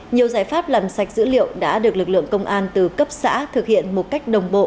nhiều giải pháp làm sạch dữ liệu đã được lực lượng công an từ cấp xã thực hiện một cách đồng bộ